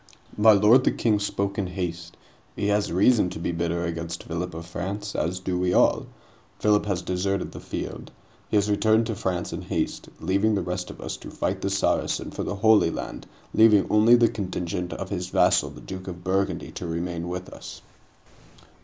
"My lord the King spoke in haste. He has reason to be bitter against Philip of France, as do we all. Philip has deserted the field. He has returned to France in haste, leaving the rest of us to fight the Saracen for the Holy Land leaving only the contingent of his vassal the Duke of Burgundy to remain with us."